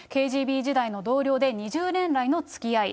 ＫＧＢ時代の同僚で、２０年来のつきあい。